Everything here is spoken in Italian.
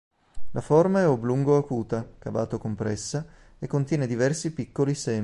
La forma è oblungo-acuta, cavato-compressa e contiene diversi piccoli semi.